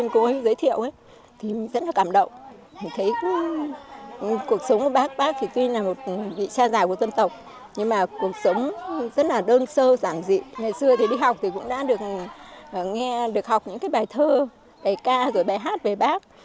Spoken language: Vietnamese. ngày xưa thì đi học thì cũng đã được nghe được học những cái bài thơ bài ca rồi bài hát về bắc